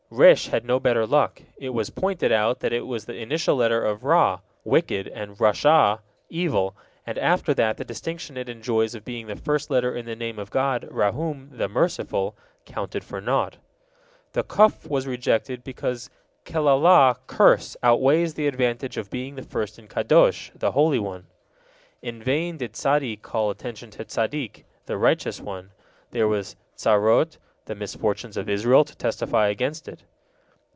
Resh had no better luck. It was pointed out that it was the initial letter of Ra', wicked, and Rasha' evil, and after that the distinction it enjoys of being the first letter in the Name of God, Rahum, the Merciful, counted for naught. The Kof was rejected, because Kelalah, curse, outweighs the advantage of being the first in Kadosh, the Holy One. In vain did Zadde call attention to Zaddik, the Righteous One; there was Zarot, the misfortunes of Israel, to testify against it.